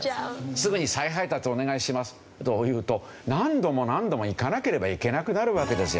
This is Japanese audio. すぐに「再配達お願いします」と言うと何度も何度も行かなければいけなくなるわけですよ。